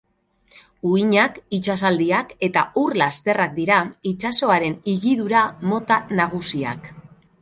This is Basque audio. Uhinak, itsasaldiak eta ur lasterrak dira itsasoaren higidura mota nagusiak.